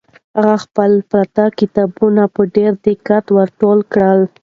هغې خپل پراته کتابونه په ډېر دقت ور ټول کړل.